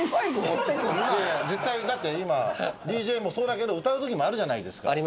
いやいや絶対だって今ＤＪもそうだけど歌うときもあるじゃないですか。